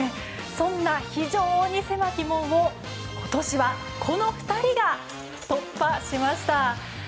そんな非常に狭き門を今年はこの２人が突破しました。